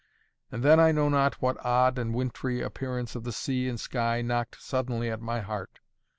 And then I know not what odd and wintry appearance of the sea and sky knocked suddenly at my heart.